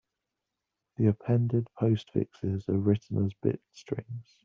The appended postfixes are written as bit strings.